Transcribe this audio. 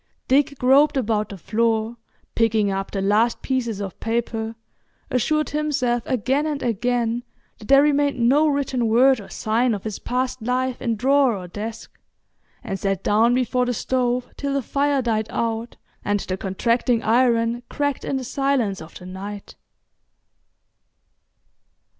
Dick groped about the floor picking up the last pieces of paper, assured himself again and again that there remained no written word or sign of his past life in drawer or desk, and sat down before the stove till the fire died out and the contracting iron cracked in the silence of the night.